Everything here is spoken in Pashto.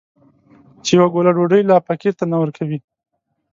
چې يوه ګوله ډوډۍ لا فقير ته نه ورکوي.